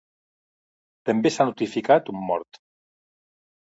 També s’ha notificat un mort.